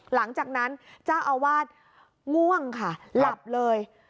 หลังจากนั้นเจ้าอาวาสง่วงค่ะหลับเลย